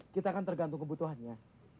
kita kan tergantung kebutuhannya